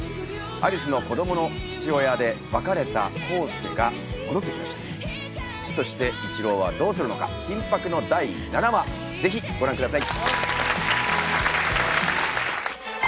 有栖の子供の父親で別れた康介が戻ってきました父として市郎はどうするのか緊迫の第７話ぜひご覧ください